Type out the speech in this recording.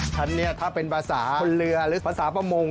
ฉันเนี่ยถ้าเป็นภาษาคนเรือหรือภาษาประมง